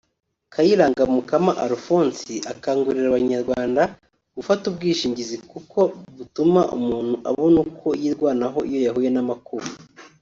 Kayiranga Mukama Alphonse akangurira abanyarwanda gufata ubwishingizi kuko butuma umuntu abona uko yirwanaho iyo yahuye n’amakuba